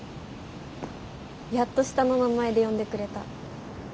やっと下の名前で呼んでくれた。